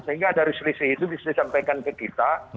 sehingga dari selisih itu bisa disampaikan ke kita